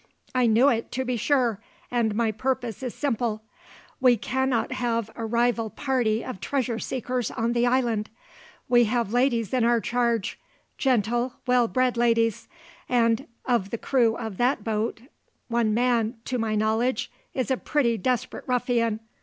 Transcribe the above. "I knew it, to be sure, and my purpose is simple. We cannot have a rival party of treasure seekers on the island. We have ladies in our charge gentle, well bred ladies and of the crew of that boat, one man, to my knowledge, is a pretty desperate ruffian.